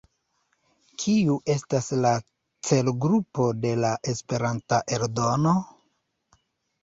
Kiu estas la celgrupo de la Esperanta eldono?